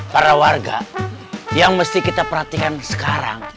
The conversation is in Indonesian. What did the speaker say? para warga yang mesti kita perhatikan sekarang